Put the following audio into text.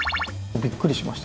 びっくりしました。